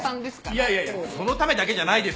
いやいやいやそのためだけじゃないですから。